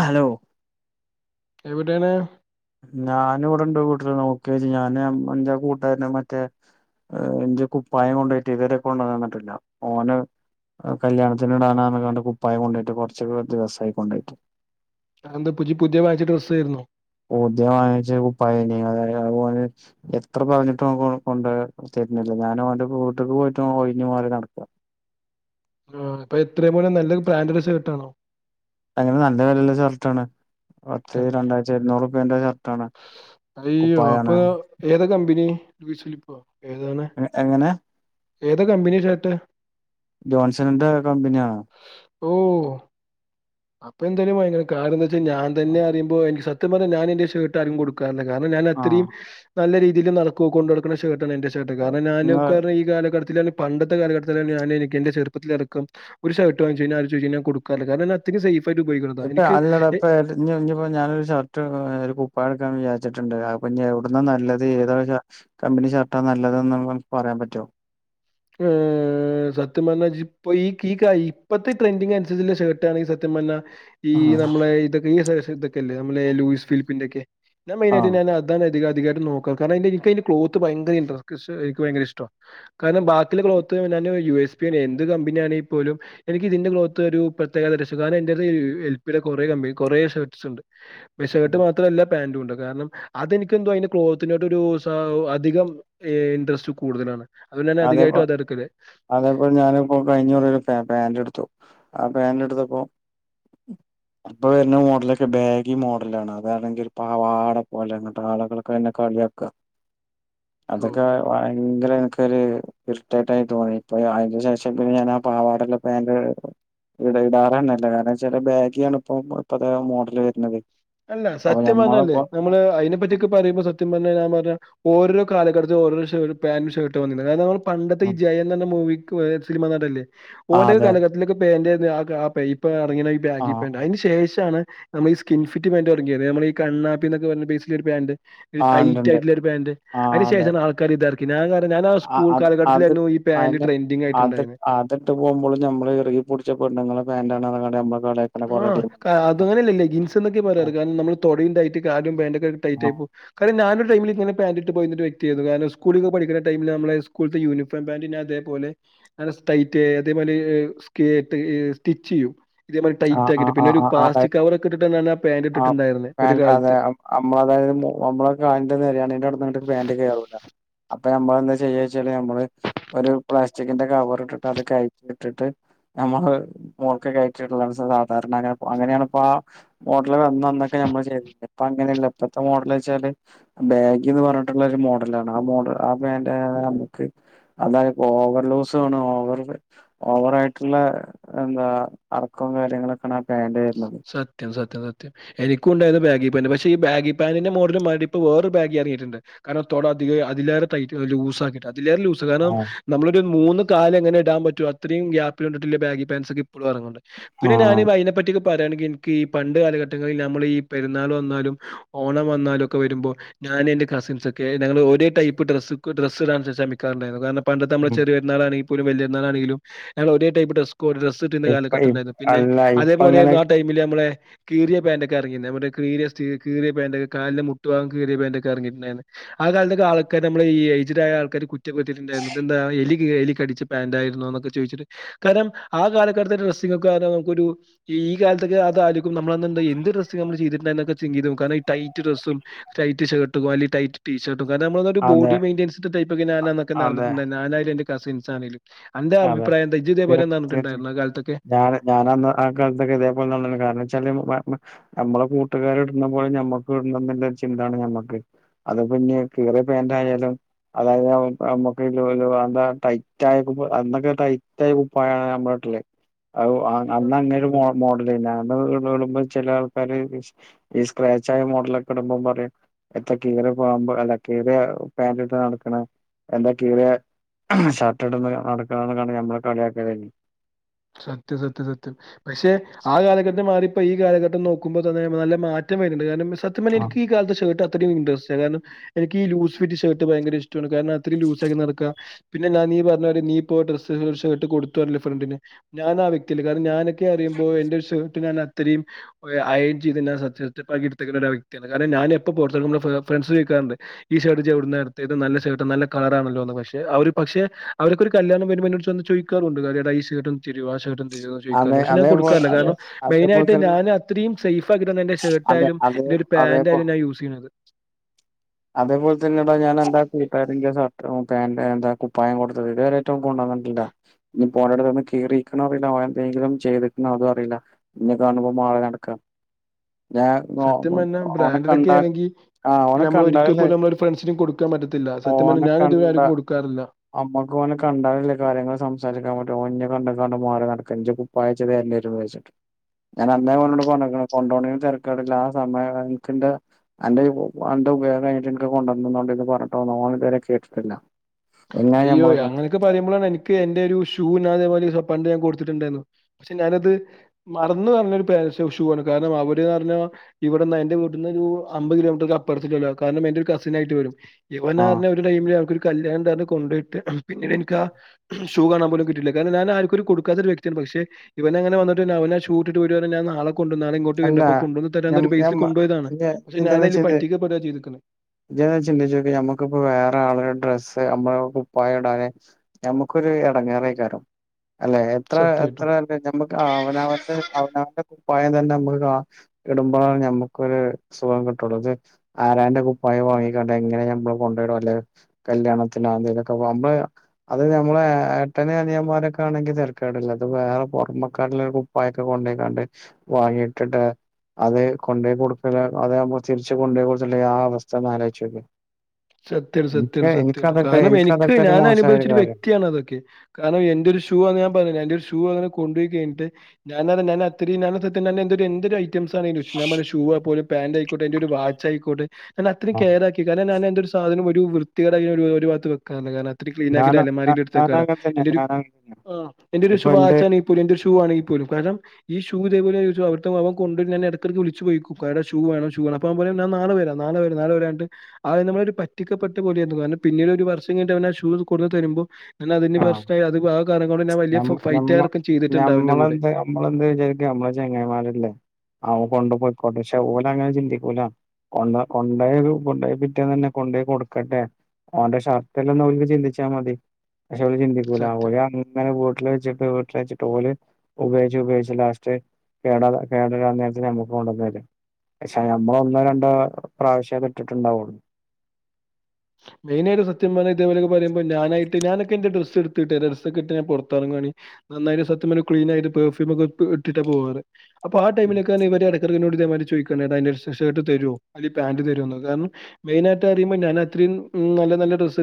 Hello എവിടെയണ്. ഞാന് ഇവിടെ ഇണ്ട് വീട്ടില് നോക്കിയാ ജ്ജ് ഞാന് എന്റെ ആ കൂട്ടാരന് മറ്റേ ഇജ്ജെ കുപ്പായം കൊണ്ടോയിട്ട് ഇത് വെരെ കൊണ്ടെന്നന്ന്ട്ടില്ല ഓന് കല്യാണത്തിന് ഇടാനാ ന്ന് പറഞ് ക്കാണ്ട് കുപ്പായം കൊണ്ടോട്ട് കുറച്ചൊ ദിവസായി കൊണ്ടോയ്ട്ട്. അഹെന്തപ്പോഇജ്ജ് പുതിയ വാങ്ങിച്ചട ഡ്രസ്സ ആയിരുന്നോ? പുദേ വാങ്ങിച്ച കുപ്പയെനിം അതുപോലെ എത്ര പറഞ്ഞിട്ടും കൊഡ്രാൻ [unintelligible] ഞാനൊന്റെ വീട്ട്ക്ക് പോയിട്ട് ഒഴിഞ്ഞു മാറി നടക്ക ആ അപ്പൊ എത്രയ മോനെ നല്ല ബ്രാന്റഡ് ഷർട്ട് ആണോ? അങ്ങനെ നല്ല വിലെള്ള ഷർട്ടാണ് പത്ത് തന്നെ രണ്ടായിരത്തിഓർനൂർ പ്പിയടെ ഷർട്ടാണ്. അയ്യോ കുപ്പായാണ് അപ്പൊ ഏത കമ്പനി [unintelligible] എ എങ്ങനെ? ഏത് കമ്പനി ഷർട്ട്? ജോൺസണന്റെ കമ്പനിയാ ഓ അപ്പൊ എന്തായാലും ഭയങ്കരം കാരണം എന്താ വെച്ചാ ഞാൻ തന്നെ അറിയുമ്പോ എനിക്ക് സത് ത്യം പറഞ്ഞാൽ ഞാൻ ഷേർട്ട് അർക്കും കൊടുക്കാറില്ല കാരണം ഞാൻ ആഹ് അത്രീം നല്ല രീതിയിൽ നടക്ക കൊണ്ട നടക്കുന്ന ഷേർട്ട് എന്റെ ഷേർട്ട് കാരണം ഇങ്ങ ഞാനൊക്കെ ഈ കാലഘ പണ്ടത്തെ കാലഘട്ടത്തില ഞാന് എക്ക് എന്റെ ചെറപ്പത്തിത്തില ഇക്ക ഒരു ഷർട്ട് വാങ്ങിച്ചെഞ്ഞാൽ കൊടുക്കറില്ല കാരണം അത്രയ്ക്ക് സേഫ് ആയിട്ട് ഉപയോഗിക്കുന്നതാ ഇപ്പൊ അല്ലട എനിക്ക് ഇപ്പൊ ഞ്ഞി ഞ്ഞിപ്പോ ഇനിപ്പോ ഞാനൊരു ഷർട്ട് ഒരു കുപ്പാ യം എടുക്കാൻ വിചാരിച് ച്ചിട്ടുണ്ട് അഹ്പ്പോ എവുടെന്നാ നല്ലത് ഏതാ കമ്പനി ഷർട്ട നല്ലത്ന്ന് പറയാൻ പറ്റോ? മ് മം സത്യപറഞ്ഞ ഇജ്ജ്പ്പൊതെ ഈ ഈ ഇപ്പഴത്തെ ട്രെൻഡിംഗ അനുസരിച്ചുള്ള ഷർട്ടാണ് ഈ സത്യംപറഞ്ഞ ഈ ആഹ് നമ്മളെ ഇതൊക്കെ [unintelligible] ഈ ഇതൊക്കല്ലെ നമ്മ ലൂയിസ് ഫിലിപ്പിന്റെ ഒക്കെ ഞാൻ ആഹ് മെയിനായിയിട്ട്ഞാൻ അതാണ് അധികമായിട്ട് നോക്ക കാരണം എന്റെ എനിക്ക് ക്ലോത്ത് ഭയങ്കര ഇൻക്ക് ഇന്റർകൃഷ് ഭയങ്കര ഇഷ്ട കാരണംാക്കി ഇതിന്റെ ക്ലോത്ത് യു എസ് പി എന്ത് കമ്പനിയാണെങ്കിൽ പോലും എനിക്ക് ഇതിന്റെ ക്ലോത്ത് ഒരു പ്രത്യേകതര ഇഷ് കാരണം എൽപിടെ കൊറെ കമ്പനി കുറെ ഷേർട്സ് ഇണ്ട് ഉം ഷേർട്ട് മാത്രമല്ല പാന്റും ഉണ്ട് കാരണം അതെനിക്ക് എന്തോ അതിന്റെ ക്ലോത്തിനോട്ട് ഒരു സാ അധികം ഏ ഇൻട്രസ്റ്റ് കൂടുതലാണ്. അ [unintelligible] അധികായിട്ട് അതേപ്പോ പാ അതേപലെ ഞാന് പ്പോ കഴിഞ്ഞക്കുറി ഓര് പാന്റ് ഇട്ത്തു. ത്തു ആ പാന്റ് എടുത്തപ്പോ ഇപ്പൊ വരുന്ന മോഡലൊക്കെ ബാഗി മോഡലാണ് അതാണെങ്കിൽ പവാട പോലെ അങ്ങിട്ട് ആളുകൾക്കെന്നെ കളി [unintelligible] ഓ അതൊക്കെ വയ വ യങ്കരെ ഒരു കൃത്യായിട്ടായി തോന്നി ഇപ്പോ അയിന്റെ ശേഷം പിന്നെ ഞാൻ ആ പാവാടല്ലെ പാന്റ് ഇട ഇടാറന്നില്ല കാരണം ചാല് ബാഗിയാണ് ഇപ്പോ ഇപ്പത്തെ മോഡലായി വരുന്നത്. അല്ല അപ്പൊ സത്യം പറഞ്ഞാൽ ഞമ്മളിപ്പോ നമ്മള് അയി നെ പറ്റിക്കെ പറയുമ്പോ സത്യം പറഞ്ഞൽ ഓരോ കാലഘട്ടത്തി ഓരോപാന്റും ഷർട്ടും വന്ന്ക്ക്ണ് അത് നമ്മൾ പണ്ടത്തെ ഈ ജയ എന്ന് പറഞ്ഞ മൂവി സിനിമ നടല്ലേ ആ ഓന്റെ അതെ കാലഘത്തിലൊക്കെ പെന്റെയിരുന്നു എ ആ ആ ഇപ്പോ ങ്ങ ആ ബാഗി അയിന് ശേഷമാണ് നമ്മ ഈ സ്കിൻ ഫിറ്റ് പാന്റ് ഇറങ്ങിയത് നമ്മ ഈണ്ണാപ്പി എന്നൊ പറഞ്ഞ ഒരു ബസിക്ക് പാന്റ് ആ ടൈറ്റ് ഉണ്ട്ണ്ട് ആയിട്ടുള്ള ഒരു പാന്റ് ആ അതിനന് അതെ ശേഷം ആൾക്കാര്രി ഇതാക്കീനെ ഞാൻ ആ സ്കൂൾ അ അത് കാലഘട്ടത്തിലായിരുന്നു ഈ പാന്റ് ആയെന്നെ. ട്രെൻഡിങ് അത് ആയിട്ടുണ്ടായിരുന്നത് അതിട്ട് പോകുമ്പോൾ നമ്മള് ഇറുകി പുടിച്ച പെണ്ണുങ്ങളെ പാന്റാണ് പറഞ് ആഹ് ക അത് അങ്ങനെയല്ലെ ലെഗിൻസ് എന്നൊക്കെ ആ പറയാറ് കാരണം നമ്മള് തൊണ്ടായിണ്ട്ട്ട് കാലും പെന്റൊക്കെ ടൈറ്റ് ആ ആയിപ്പോ കാര്യം ഞാനൊരു ടൈമിൽ ഇങ്ങ പാന്റ് ഇട്ട് പോയിരുന്ന ഒരു വ്യക്തിയാ യിരുന്നു കാരണം സ്കൂളിൽ പഠിക്കുന്നടമില് നമ്മള സ്കൂത്തെ യൂണഫോം പാന്റിന്ന് അതേപോലെ നല്ലസ്സ് ടൈറ്റ് അതേമാരി സ്റ്റിച്ച് ചെയ്യും. ആ ആ ടൈറ്റാക്കീട്ട് ആ പിന്നൊരു ആ ആ പ്ലാസ്റ്റിക് കവർ കവെരൊക്കെ ഇട്ടിട്ടാണ് പാന്റ് ഇണ്ടായിരുന്നത്. ആൻ അതെ അമ് നമ്മള അതായത് നമ്മളെ കാലിന്റെ നേരിയണിന്റെ ആവുട് ന്നങ്ങട്ട് പാന്റ് കേറൂല. അപ്പൊ ഞമ്മൾ എന്താ ചെയ്യാ വെച്ചാല് നമ്മള് ഒരു പ്ലാസ്റ്റിക്കിന്റെ കവർ ഇട്ടിട്ട് അത് കഴിച്ച ഇട്ടിട്ട് നമ്മള് മോൾക്കെ കയറ്റിടലാണ് സാധാരണ അങ്ങനെ അങ്ങനെയണിപ്പൊ ആ മോഡല് വന്നന്നൊക്കെ ഞമ്മൾ ചെയ്തിന്നു ഇപ്പ അങ്ങനെയല്ല ഇപ്പഴത്തെ മോഡൽ വെച്ചാല് ബാഗ്ഗിന്ന് പറഞ്ഞിട്ടുള്ള മോഡലാണ് ആ മോഡൽ ആ ബാൻഡ് നമുക്ക് അതായ ഓവർ ലൂസുവാണ് ഓവർ ഓവറ ആയിട്ടുള്ള എന്താ അറക്ക കാര്യങ്ങളൊക്ക ആ പാൻ്റെ സത്യം സത് ത സത്യം എനിക്കുണ്ടായീന്നു ബാഗി പാന്റ് പക്ഷെ ഈ ബാഗി പാനിന്റെ മോഡല്മാതിരി ഇപ്പൊരു ബാഗി ഇറങ്ങിയിട്ടുണ്ട്‌ കാരണം ത്തോട അധിക അതിലേറ ടയിട്ട് ലൂസ് ആക്കിട്ട ഇതിലേറെ ലൂസ് കാരണം ആ നമ്മളൊരു മൂന്ന് കാലെങ്ങനെ ഇടാൻ പറ്റും അത്രയും ഗാപ്പിൽ വന്നിട്ടുളളബാഗി പാൻറ്സ് ഒക്കെ ഇപ്പളും ഇറങ്ണ്ട് പിന്നെ ആ ഞാന്അയിനെപ്പറ്റി പറയാണെങ്കിൽ എനിക്ക് ഈ പണ്ട് കാലഘട്ടങ്ങളിൽ നമ്മൾ ഈ പെുന്നാൾ വന്നാലും ഓണം വന്നാലും ഒക്കെ വരുമ്പോ ഞാനെൻന്റെ കസിൻസൊക്കെ ഞങ്ങള് ഒരേ ടൈപ്പ് ഡ്രസിക്ക് ഡ്രസി ടാൻ ശ്ര മിക്കാറണ്ടായിരുന്നു കാരണം പണ്ടത്തെ നമ്മള് ഉം ചെറിയ പെരുന്നാളാണെങ്കി പോലും വല്യ പെരുന്നളാണെങ്കിലും ഞങ്ങള് ഒരേ ടൈപ് ഡ്രസ് കോഡ്ഡ്രെസ്സിട്ടീന്ന ഇപ്പ കാലഘട്ടം ഇ ഉണ്ടായിരുന്നു പിന്നെ അല്ല ഇപ്പ അതേപോലെ അങ്ങനെ നമ്മളെ കീറിയ പാന്റക്കെറങ്ങി നമ്മ കീ കീറിയ കാലിന്റെ മുട്ടുവാഗം കീ റിയ പാന്റ ഒക്കെ ഇറങ്ങി ണ് ആ കാലത്തൊക്കെ ആൾക്കാർ നമ്മൾ ഈ എയ്ജ്ഡായ ആൾക്കാര് കുറ്റപ്പെടുത്തി ട്ടുണ്ടായിരുന്നു എന്ത എലി കടിച്ച പാന്റ് ആയിരുന്നു ന്നൊക്കെ ചോയിച്ചിട്ട് കാരണം ആ കാലഘട്ടത്തെ ഡ്രസ്സിങ് ഒക്കെ നമുക്കൊരു ഈ കാലത്തൊക്ക അത ആയി രിക്കും നമ്മള എന്ത് ഡ്രസ്സ് നമ്മ ചെയ്തിട്ടണ്ടൊക്കെിതി നോക്ക കാരണം ടൈറ്റ് ഡ്രസ്സും എയിട്ട് ഷർട്ട്‌ വാലി ടൈറ്റ് ടീ ഷർട്ട്‌ കാരണം നമ്മൊളൊരു അതെ ബോഡി മെയിൻന്റൻസ്ഡ് ടൈപ്പൊക്ക ഞാനന്നൊക്കെ അതെ നടന്നിട്ടുണ്ടായീന്നു ഞാനായാലും എന്റെ കസിൻസാണേലും അന്റൊ അതെ അഭിപ്രായന്താ ഇജ്ജ് തേ തീർ പോലെ തീർച്ചയായും നടന്നിട്ടുണ്ടായിരുന്നോ ആ കാലത്തൊക്കെ ഇതൊക്കെ ഇതേപോലെ നടന്ന് ക്കുന്നു കാരണം വെച്ചാല് നമ്മെ കൂട്ടുകാർ ഇടുന്ന പോലെ ഞമ്മക്ക് ഇടനന്നുള്ള ചിന്താണ് നമ്മക്ക് അതൊ- പിന്നെ കീറിയ പാൻറ് ആയാലും അതായത് നമ്മുക്ക് [unintelligible] ടൈറ്റ് ആയക്ക് അന്നൊക്കെ ടൈറ്റായ കുപ്പായാണ് നമ്മള്ടല് അന്ന അങ്ങന ഒരു മോഡലായിര ഇടുമ്പചില ആൾക്കാര് ഈ സ്ക്രാച്ചായാമോഡലൊക്കെ ഇടുമ്പ പറിംഎത്താക്കിറിയ പോകുമ്പോ അല്ല കീറിയ പാൻറ് ഇട്ട് നടക്കണ് എന്താ കീറിയേ [unintelligible] ഷർട്ട്ട് ഇടന്ന് നടക്കണ ഞമ്മളെ കളിയാക്കല് ഇനി സത്യം സത്യം സത്യം, പക്ഷെ ആ കാലഘട്ടം മാറി ഇപ്പ ഈ കാലഘട്ടം നോക്കുമ്പോ തന്നെ നല്ല മാറ്റം വരുന്നുണ്ട് കാരണം സത്യം ആഹ് എനിക്ക്ഈ കാലത്ത് ഷർട്ട് അത്ര അത്രിം ഇൻട്രസ്റ്റ് കാരണം എനിക്ക്ഈ ലൂസ്ഫിറ്റ് ഷർട്ട് ഭയങ്കര ഇഷ്ടാണ്, കാരണം അത്രിം ലൂസ് ആക്കി നടക്ക പിന്നെഞാൻ നീ [unintelligible] നീപ്പൊ ഡ്രസ്സ് ഷർട്ട്‌ കൊടുത്തുവല്ലേ ഫ്രണ്ടിന് ഞാൻ ആ വ്യക്തിയല്ല കാരണ ഞാനൊക്കെറിയുമ്പോ എന്റെ ഒരുഷർട്ട് ഞാൻ അത്തരിം അയേൻ ചെയ്തി സത്യയ്ട്ടും [unintelligible] ഒരു വ്യക്തിയാണ് ഞാനെപ്പോപുറത്തു പോകുമ്പോളും ഫ്രെണ്ട്സ് ചോദിക്കാറുണ്ട് ഈ ഷർട്ട്‌ ഇജ്ജ് എവിടുന്നാട്ത്ത് നല്ല ഷർട്ട്‌ നല്ല കളറാണല്ലോന്ന് പക്ഷെഅവര് പക്ഷെ അവർക്കൊരു കല്യാണം വരുമ്പോതിന് എന്നോട് ചോയിക്കാറുണ്ട് നോച്ച് വന്ന് ചോദിക്കാറുണ്ട് കാര്യ ഈ ഷർട്ട്‌ അതെ [unintelligible] പക്ഷേ ഞാൻ അതേപോ കൊടുക്കാറില്ല അതെ കാരണം അതേപോലെ മെയിനായിട്ട് തന്നെ ഞാൻ അത്രേം സേഫ് ആയിട്ടാണ് എന്റെ അതെ ഷർട്ടായാലും അതേ ഇ ഒരു അതേപോ പാന്റായി ഞാ യൂസ് ചെയ്യുന്നത് അതേപോലെ തന്നെടാ ഞാനെന്റെ ഷർട്ടും പാന്റ് എന്താ കുപ്പായം കൊടുത്തത് ഇതുവരായിട്ട് ഓൻ കൊണ്ടന്നിട്ടില്ല ഇനിപോനോട്‌ കീറിയിരിക്ക്ണൊ അറിയില്ലഓന് എന്തെങ്കിലും ചെയ്ത് ക്കണോ അതും അറിയില്ല ഇന്നെ കാണുമ്പോ മാറി നടക്കാ. ഞാൻ ഓ ഓനെ കണ്ടാ ല്ല അമ്മള് ഒരിക്കപോലും നമ്മള ഒരു ഫ്രണ്ട്സിനും കൊടുക്കാൻ പറ്റത്തില്ല. സത്യം പറഞ്ഞ ഓനെ ഞാൻ ഇതുവരെ കണ്ട ആര്ക്കും കൊടുക്കാറില്ല. അമ്മക്ക് ഓനെ കണ്ടാലല്ലെ കാര്യങ്ങള് സംസാരിക്കാൻ പറ്റു. ഓന് ഇന്നെ കണ്ടെ കാണ്ട് മാറി നടക്ക കഞ്ചക്കുപ്പായ അയച്ചത് [unintelligible] ഞാൻ അന്നേ ഓ നോട്‌ പറഞ്ക്ക് ണ് കൊണ്ടോണിന് തരക്കേടില്ല ആ സമയം [unintelligible] എനിക്ക് എന്റെ ഉപയോഗം കഴിഞ്ഞിട്ട് നിക്ക് കൊണ്ടന്നോപറഞ്ഞിട്ടോ ഓന് തുവരെ കേട്ടിട്ടില്ല. എങ്ങനെ അയ്യോ ഞമ്മള് ഇങ്ങനെ അങ്ങനെയൊക്കെ പറയുമ്പോള എനിക്ക് സംസാരിക്കുന്നത്? എന്റെരു ഷൂ ഞ അതേപോലെ പണ്ട് ഞാൻ കൊടുത്തിട്ടുണ്ടായിരുന്നു പക്ഷെ ഞാനത് മറന്ന് പറഞ്ഞഒരു പരൻഷൂ ആണ് കാരണം അവര് റഞ്ഞ ഇവിടന്ന് എന്റെ വീട്ടിന്നൊരു അമ്പത് കിലോമീറ്റർ അപ്പുറത്തിക്കി ല്ലകാരണം എന്റോരു കസിനായിട്ട് വരും. ആ പറഞ്ഞ് ഒരു ടൈമില് ഞങ്ങക്കൊരു കല്യാണം ഉണ്ടായരുന്നു. കൊണ്ട് പോയിട്ട് പിന്നീട് എനിക്ക് ആ ഷൂ കാണാൻ പോലും കിട്ടിയില്ല, കാരണം ഞാൻ ആർക്കും കൊടുക്കാത്തൊരു വ്യക്തിയാണ് പക്ഷെ. പിന്നെങ്ങനെ വന്നിട്ട് അവനാ ഷൂ ഇട്ടിട്ട് വരുവാണെ ഞാൻ നളെ കൊണ്ടുവന്നാണ് ഇങ്ങോട്ട് അല്ല വരനപ്പോ കൊണ്ടുവന്ന തരാൻ ഞമ്മ ഒരു ബേസിൽ ഞമ്മ കൊണ്ടപോയതാണ് ഇജ്ജ് പക്ഷ ഞാനതി പറ്റിക്ക പെടുക ചെയ്തിക്കുന്നത്. ഞാൻ ചിന്തിച്ചപ്പോ ഞമ്മക്കിപ്പൊ വേറെ ആളുടെ ഡ്രസ്സ് നമ്മടെ കുപ്പായ ഇടാനെ ഞമ്മക്കൊരു ഇടങ്ങേറ കാരം അല്ലേ എത്ര സത്യായിട്ടും. എത്രല്ല നമ്മക്ക് അവനവന്റെ അവനവന്റെ കുപ്പായം തന്നെ ഇടുമ്പോഴാണ് നമ്മക്കൊരു സുഖം കിട്ടുള്ളു ആരാന്റെ കുപ്പായ വാങ്ങിക്കണ്ട നമ്മള് കൊണ്ടു ഇടും അല്ലെ കല്യാണത്തിനൊ എന്തേനും ഒക്കെനമ്മള് അത് നമ്മള് ഏട്ടന്, അനിയന് ന്മാരൊക്കെ ആണെങ്കി തരക്കേടില്ല, അത് വേറെ പുറമക്കാരിൽ കുപ്പായൊക്കെ കൊണ്ടക്കാണ്ട് വാങ്ങിട്ട് [unintelligible] അത് കൊണ്ടപോയി കൊടുത്തി അതാകുമ്പോ തിരിച്ച് കൊണ്ടപോയി കൊടുത്തിട്ട ആ അവസ്ഥ ഒന്ന് ആലോചിച്ച് നോക്ക് സത്യം, സത്യ, സത്യം കാരണം എനിക്ക് എനിക്കതൊക്കെ ഒരു ഞാൻ മോശമായൊരു അനുഭവിച്ചൊരു കാര്യമാണ് വ്യക്തിയാണ് അതൊക്കെ കാരണം എന്റെ ഒരു ഷൂ ആ ഞാൻ പറഞ്ഞില്ലേ, ഒരു ഷൂ അങ്ങനെ കൊണ്ട്പോയി കഴിഞ്ഞിട്ട് ഞാൻ അത്രയും [unintelligible] ഒരു ഐറ്റംസ് ഞാൻ ഷൂവാ പോലും പാന്റ് ആയിക്കോട്ടെ, എന്റെ ഒരു വാച്ച് ആയിക്കോട്ടെ ഞൻ അത്രയും ആ കെയറക്കി കാരണം ഞാൻ സാധന ഒരു വൃത്തികേട് ഒരു ഭാഗത്ത് വെക്കാറില്ല കാരണം. അ ക്ലീന് ഞാന ആക്കിട്ട് അലമാരിയിൽ ഞാ- എടുത്തു വെക്കാലോ, ഞാനങ്ങനെ തന്നെ എന്റെ ഒരു ഞാനങ്ങനെ തന്നെ എന്റെ വാച്ച് ആണ് പോലും എന്റെ ഒരു ഷൂ ആണ് കാരണം ഈ ഷൂ ഇതുപോലെ അവൻ കൊണ്ടു പോയിട്ട് ഞാൻ ഇടക്ക്, ഇടക്ക് വിളിച്ച് ചോദിക്കും ഷൂ വേണം ഷൂ വേണം അപ്പോ പറയും ഞാൻ നാള വരാം, നാളെ വരാം, നാളെ വരാം എന്നിട്ട് അവർ നമ്മളെ പ പറ്റിക്കപ്പെട്ട പോലെയാ തോന്ന കാരണം പിന്നീട് ഒരു വർഷം കഴിഞ്ഞിട്ട് അവൻ ആ ഷൂസ് കൊണ്ടു തരുമ്പം ഞാൻ അതിന്റെ ആ പ്രശ്നായി, അത് ആ കാരണം കൊണ്ട് ഞാൻ വലിയ ഞമ്മ ഫൈറ്റ് ഞമ്മ ആർക്കും ചെയ്തിട്ടുണ്ട് അവന്റെ കൂടെ. നമ്മ ചങ്ങായിമാരല്ലേ അവൻകൊണ്ടു പോയിക്കോട്ടെ, പക്ഷേ ഓൻഅങ്ങനെ ചിന്തിക്കൂല. കൊ കൊണ്ടു പോയ കൊണ്ടായി പിറ്റേന്ന് തന്നെ കൊണ്ട് പോയി കൊടുക്കട്ടെ ഓന്റെ ഷർട്ട് ഇല്ലന്നൊന്ന് ചിന്തിച്ചാ മതി പക്ഷെ അവ ചിന്തിക്കൂല, സത്യം അവര് അങ്ങനെ ബോട്ടില് വെച്ചിട്ട് ഓന് ഉപയോഗിച്ച്, ഉപയോഗിച്ച്, ലാസ്റ്റ്. കേട കേടരാൻ നേരത്തിന് നമ്മുക്ക് കൊണ്ടുവന്നു വരും പക്ഷേനമ്മള് ഒന്നോരണ്ടോ പ്രാവശ്യേ ഇട്ടിട്ടുണ്ടാവുള്ളു അതിനൊരു സത്യം പറഞ്ഞ ഇതപോലക്കെ പറയുമ്പോ, ഞാനായിട്ടു ഞാനൊക്കെ എന്റെ ഡ്രസ് എടുത്തിട്ട് ഡ്രസ്ട്ട് പൊറത്തെറങ്ങുമ്പോ നന്നായിട്ട് സത്യം ക്ലീൻ ആയിട്ട് പെർഫ്യൂം ഒക്കെ ഇട്ടിട്ട പോവാറ്, അപ്പോ ആ ടൈമിലക്കെ ഇ എന്നോട് ഇതേമാരി ചോദിക്കുവാണ എടാ നിന്റെ ഷർട്ട് തരുവോ അല്ലെ പാന്റ് തരുന്ന് കാരണം മെയിൻ ആയിട്ട് അറുമ്പോ അയും നല്ല നല്ല ഡ്രസ്,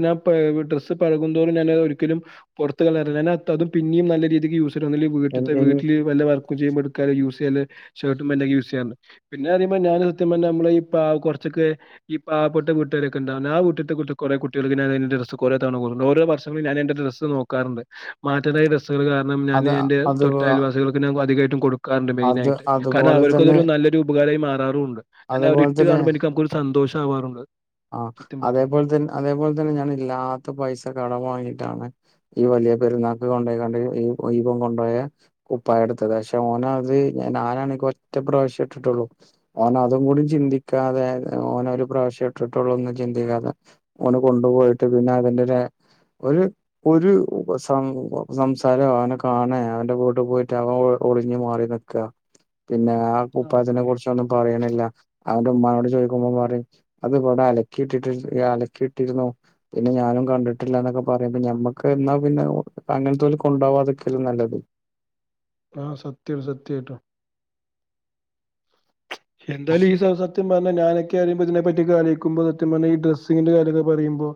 ഡ്രസ്സ് പഴകും തോറും ഞാൻ ഒരിക്കലും പുറത്ത കളയാറില്ല അതും പിന്നെയും നല്ല രീതിക്ക് യൂസർ വന്നില്ലെ വീട്ടി എൻ തന്നെ. എൻ വീട്ടില് വല്ല വർ എ യൂസ് ചെയ്യതാല്, ഷർട്ടും പാന്റ് ഒക്കെ യൂസ് ചെയ്യാം, പിന്നെ അറുമ്പോ ഞാന് സത്യം പറഞ്ഞ നമ്മ ഈ പാവപ്പെട്ട കൂട്ടുകാരൊക്കെ ആ കൂട്ടത്തെ കുറെ കുട്ടികൾക്ക് എന്റെ ഡ്രസ് കുറെ തവണ കൊടുത്തിട്ടുണ്ട്, ഓരോ വർഷങ്ങളിലും ഞാൻ എന്റെ ഡ്രസ്സ് നോക്കാറുണ്ട്. മാറ്റതായ രസുകൾ കാരണം ഞാൻ അത് എൻ്റെ അത് തൊട്ട അയൽവാസികൾക്ക് ഞാ അധികമായിട്ടും കൊടുക്കും. ക്കാറുണ്ട് അത് മെയിനായിയിട്ട് കാരണം അതുപോലെ തന്നെ അവർക്കതൊരു നല്ലൊരു ഉപകാരമായി മാറാറുമുണ്ട്. എന്നെ അതുപോലെ അവരിട്ട് തന്നെ കാണുമ്പോ എനിക്ക് നമുക് ഒരു സന്തോഷം ആവാറുണ്ട്. ആ അതേപോലെ തന്നെ അതേപോലെ തന്നെ ഞാൻ ഇല്ലാത്ത പൈസ കടം വാങ്ങിയിട്ടാണ് ഈ വലിയ പെരുന്നാക്ക് കൊണ്ട് പോയിക്കണ്ട് ഈ ന കൊണ്ടുപോയ കുപ്പായം എടുത്തത് പക്ഷെ ഓന ഞാനാണ് ഒറ്റ പ്രാവശ്യം ഇട്ടിട്ടുള്ളൂ, ഓന് അതും കൂടി ചിന്തിക്കാതെ ഓന് ഒരു പ്രാവശ്യ ഇട്ടിട്ട് ഇട്ടിട്ടുള്ള ഒന്നും ചിന്തിക്കാതെ ഓന് കൊണ്ടുപോയിട്ട് പിന്നെ അതിന്റെറെ ഒരു ഒരു സം സംസാരം അവനെ കാണാ അവന്റെ വീട്ടിൽ പോയിട്ട് അവൻ ഒളിഞ്ഞ് മാറി നിക്ക പിന്നെ ആ ആഹ് കുപ്പായത്തിനെ കുറിച്ചൊന്നും പറയണില്ല അവന്റെ ഉമ്മാനോട് ചോദിക്കുമ്പോ പറയും അത് ഇവിടെ അലക്കിയിട്ടിട്ട അലക്കിയിട്ടിരുന്നു പിന്നെ ഞാനും കണ്ടിട്ടില്ലന്നൊക്കെ പറയ്പ ഞമ്മക്ക് എന്നാ പിന്നെ അങ്ങനെത്ത പോലെ കൊണ്ടാവാതൊക്കെയല്ലും നല്ലത് ആ സത്യം സത്യമായിട്ടുംയ സത്യം എന്തായും ഈ സ സത്യം പറഞ്ഞാ ഞാനൊക്കെ അറിയ്മ്പോ ഇതിനെ പറ്റ് ഒറ്റയ്ക്ക് ആലോയ്ക്ക്മ്പോ സത്യം പറഞ്ഞാ ഈ ഡ്രസ്സിങ്ങിന്റെ കാര്യായൊക്കെ പറയ്മ്പോ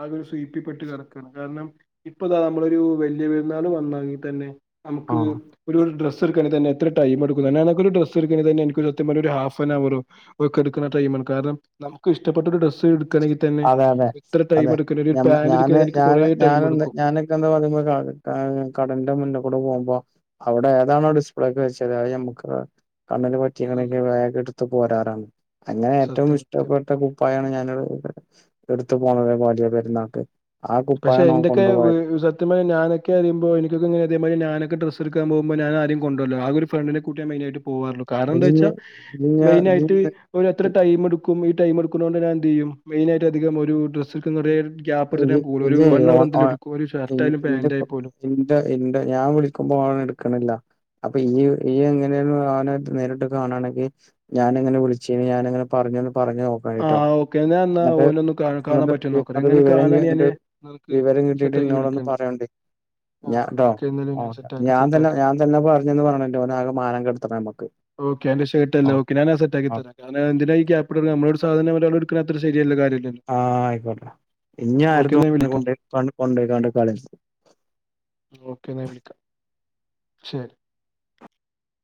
ആകെ ഒര് സ്വീപ്പി പ്പെട്ട് കെടക്കാണ് കാരണം ഇപ്പം ദാ നമ്മളൊരു വല്ല്യ പെരുന്നാൾ വന്നാങ്കി തന്നെ നമക്ക് ആഹ് ഒര് ഡ്രസ്സ്‌ എടാക്കാന്നായിട്ട് തന്നെ എത്ര ടൈം എടുക്കുന്നു എനക്ക് ഒര് ഡ്രസ്സ് എടക്കാണത് തന്നെ എനക്ക് ഒര് സത്യം പറഞ്ഞാ ഒര് ഹാഫാൻ ഹയർ ഒക്കെ എടുക്ക്ണാ ടൈമാണ് കാരണം നമക്ക് ഇഷ്ടപ്പെട്ട ഒര് ഡ്രസ്സ് എടുക്കണെങ്കി തന്നെ അതെ അതെ ഇത്ര ടൈം അതെ എടുക്കണ ഒരു ഞമ്മ പാന്റ് എടുക്കണെ ഞാന് തന്നെ എനിക്ക് ഞാന് കൊറേ ടൈം ഞാനെന്താ എടുക്കും. ഞാനൊക്കെ എന്താ പറയുന്നത് കാണ് കടന്റെ മുന്നേ കൂടെ പോവ്മ്പോ അവടെ ഏതാണോ ഡിസ്പ്ലേക്കെ വെച്ചത് അത് ഞാമ്മാക്ക് കണ്ണന് പറ്റീക്ക്ണ് ഉം ഇല്ലേ വേഗം എടുത്ത് പോരാറാ. അങ്ങനെ ഏറ്റോം സത്യം സത്യം. ഇഷ്ടപ്പെട്ട കുപ്പായാണ് ഞാൻ [unintelligible] എട്ത്ത് പോണത് വല്ല്യ പെര്ന്നാക്ക് പക്ഷേ എന്റെക്കെ വീ സത്യം പറഞ്ഞാ ഞാനൊക്കെ അറിയ്മ്പോ എനിക്കൊക്കെ ഇതേ മാരി ഞാന ഡ്രസ്സ് എട്ക്കാൻ പോമ്പോ ഞാൻ ആരേയും കൊണ്ട് പോല്ലാ ആകെ ഒര് ഫ്രണ്ട്നേ കുട്ടിയാ മെയിനാട്ട് പോവാറു ള്ളു കാരണം എന്താ ഇജ്ജ് വെച്ചാ ഇഞ്ഞ് ഇജ്ജ് മെയിനായിട്ട് ഇഞ്ഞ് ഒര് എത്ര ഇജ്ജ് ടൈം എട് ക്കൂ ഈ ടൈം എട്ക്കുന്നേണ്ട് ഞാൻ എന്ത് ചെയ്യം മെയിനായിട്ട് അധികം ഒരു ഡ്രസ്സ്‌ എടുക്കുന്നെ വരെ ഗ്യാപ്പ് എട് [unintelligible] എന്റെപ്പോ പാന്റായാൽ പോലും. എൻ്റെ എൻ്റെ ഞാൻ വിളിക്ക്മ്പോ ഓള് എട്ക്കണില്ല അപ്പ ഇയ് ഇയ് എങ്ങനെലും അവനെ നേരിട്ട് കാണയാണെങ്കി ഞാന് എങ്ങനെ വിളിച്ച് ഞാന എങ്ങനെ പറഞ്ഞാന്ന് പറഞ്ഞ് നോക്കാണ്ടി ആ ട്ടോ ഓക്കെ ഞാൻ എന്നാ എന്നിട്ട് ഓനൊന്ന് കാ കാണാൻ പറ്റോന്ന് നോക്കട്ടെ. [unintelligible] എങ്ങനെ വിവരം കാണാണെങ്കി ഞാന് നിനക്ക് വിവരം കിട്ടിട്ട് സെറ്റാക്കി ഇന്നോടൊന്ന് വിളിക്കണ്ട്. പറയാണ്ടേ ആ ഞാൻ ട്ടോ ഓക്കെ എന്നാല് ആ സെറ്റാക്കാം ഞാൻ തന്നെ സെറ്റാക്കാം. ഞാൻ തന്നെ പറഞ്ഞന്ന് പറഞ്ഞന്ന് പറയണം, എന്നിട്ട് ഓനാകെ മാനം കെട്ത്തണോ ഞമ്മക്ക് ഓക്കെ എന്റെ ഷർട്ടല്ലേ ഓക്കേ ഞാന് അത് സെറ്റാക്കി തെരാം ഞാനത് എന്തിനാ ഈ ഗ്യാപ് ഇടണേ നമ്മളടേ സ് സാധാനം ഓരള് എട്ക്കണ അത്ര ശെരിയല്ല കാ ആ ആയിക്കോട്ടെ ഓക്കെ ഇഞ്ഞാര്തും എന്നാൽ ഞാൻ വിളിക്കാം കൊണ്ടോപോയി കൊ കൊണ്ടോയി ക്കാണ്ട് കളര്ത് ഓക്കെ എന്നാ ഞാൻ വിളിക്കാം ശെരി